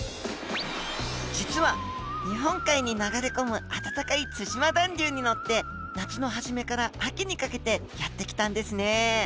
実は日本海に流れ込む暖かい対馬暖流に乗って夏の初めから秋にかけてやって来たんですね。